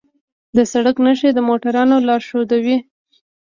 د سړک نښې د موټروانو لارښودوي.